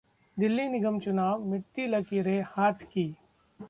दिल्ली निगम चुनाव: मिटती लकीरें 'हाथ' की